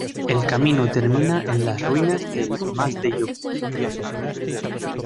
El camino termina en las ruinas del Mas de Llopis.